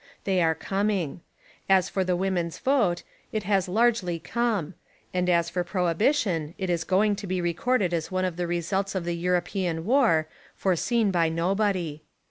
They are coming. As for the women's vote, it has large ly come. And as for prohibition, it is going to be recorded as one of the results of the Euro pean War, foreseen by nobody.